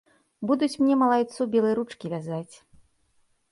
Будуць мне, малайцу, белы ручкі вязаць.